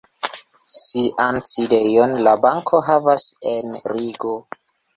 Sian sidejon la banko havas en Rigo.